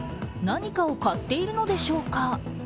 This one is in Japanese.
何かを買っているのでしょうか。